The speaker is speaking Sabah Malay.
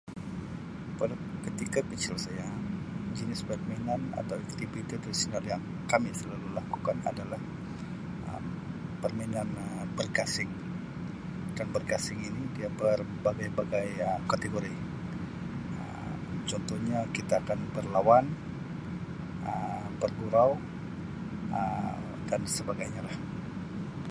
per ketika kecil saya jenis permainan atau aktiviti yang [unintelligible] kami selalu lakukan adalah Um permainan Um bergasing [unintelligible] bergasing ini dia ber Um bagai-bagai kategori Um contohnya kita akan berlawan Um bergurau Um dan sebagainya lah